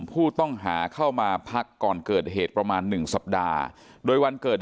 ผู้ต้องหาเข้ามาพักก่อนเกิดเหตุประมาณ๑สัปดาห์โดยวันเกิด